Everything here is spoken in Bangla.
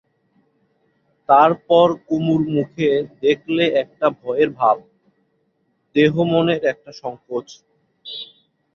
তার পর কুমুর মুখে দেখলে একটা ভয়ের ভাব, দেহমনের একটা সংকোচ।